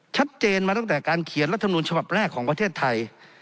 ชัดเจนมาตั้งแต่การเขียนรัฐมนุนฉบับแรกของประเทศไทย